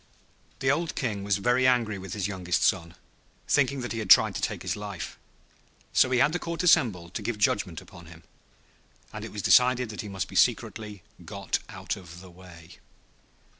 The old King was very angry with his youngest son, thinking that he had tried to take his life. So he had the Court assembled to give judgment upon him, and it was decided that he must be secretly got out of the way.